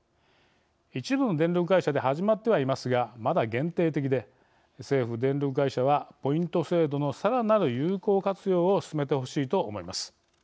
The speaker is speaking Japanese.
一部の電力会社で始まってはいますがまだ限定的で、政府、電力会社はポイント制度のさらなる有効活用を進めてほしいと思います。